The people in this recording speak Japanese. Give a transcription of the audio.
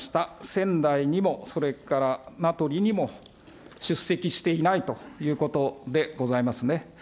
仙台にも、それから名取にも、出席していないということでございますね。